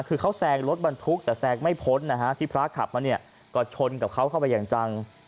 คือเขาแซงรถบรรทุกแต่แซงไม่พ้นนะฮะที่พระขับมาเนี่ยก็ชนกับเขาเข้าไปอย่างจัง